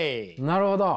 なるほど。